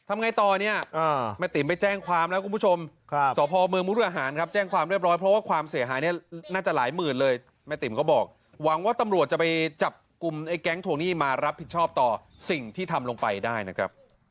แม่ก็จะจ่ายแทนอยู่ในนั้น๔๐๐๐บาทนั้นหมดตรงเมื่อเหตุแบบนี้กันสินะ